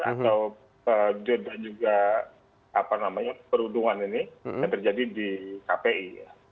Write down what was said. atau juga perlindungan ini yang terjadi di kpi